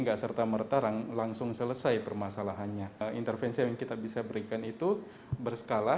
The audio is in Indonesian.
rata rata langsung selesai permasalahannya intervensi yang kita bisa berikan itu berskala